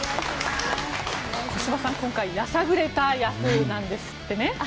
小芝さん、今回やさぐれた役なんですってね。